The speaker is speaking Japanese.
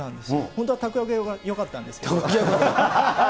本当はたこ焼きがよかったんですけど。